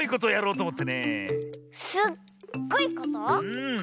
うん。